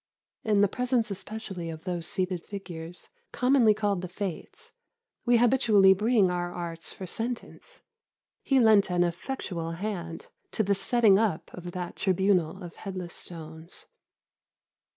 Into the presence especially of those seated figures, commonly called the Fates, we habitually bring our arts for sentence. He lent an effectual hand to the setting up of that Tribunal of headless stones.